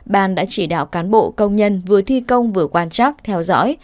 ban đã chỉ đạo cán bộ công nhân vừa thi công vừa quan chắc theo dõi